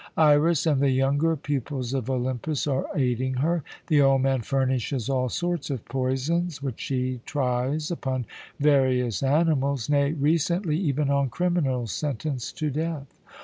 Iras and the younger pupils of Olympus are aiding her. The old man furnishes all sorts of poisons, which she tries upon various animals nay, recently even on criminals sentenced to death.